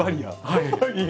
はい。